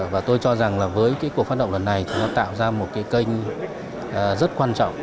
và tôi cho rằng là với cái cuộc phát động lần này thì nó tạo ra một cái kênh rất quan trọng